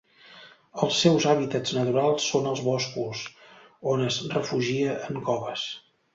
Els seus hàbitats naturals són els boscos, on es refugia en coves.